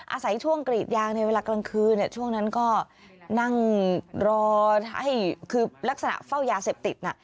อาศัยช่วงกรีดยางในเวลากลางคืนช่วงนั้นก็นั่งรอให้คือลักษณะเฝ้ายาเสพติด